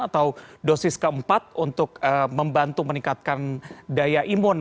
atau dosis keempat untuk membantu meningkatkan daya imun